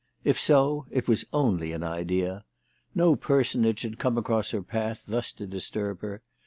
If so it was only an idea. No personage had come across her path thus to disturb her.